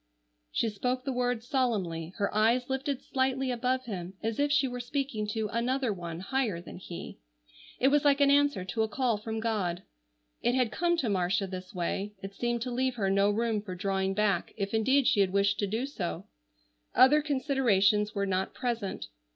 She spoke the words solemnly, her eyes lifted slightly above him as if she were speaking to Another One higher than he. It was like an answer to a call from God. It had come to Marcia this way. It seemed to leave her no room for drawing back, if indeed she had wished to do so. Other considerations were not present.